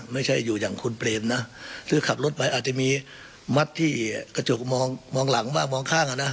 ไม่ใช่อยู่อย่างคุณเปรมนะคือขับรถไปอาจจะมีมัดที่กระจกมองหลังบ้างมองข้างอ่ะนะ